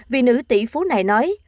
vị nữ tỷ phú này nói